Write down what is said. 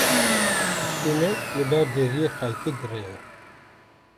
Kuçikê me li ber deriyê xelkê direye.